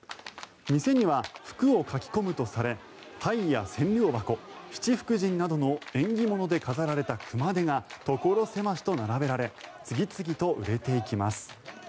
店には福をかき込むとされタイや千両箱七福神などの縁起物で飾られた熊手が所狭しと並べられ次々と売れていきます。